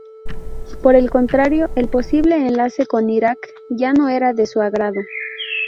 Por el contrario, el posible enlace con Irak ya no era de su agrado.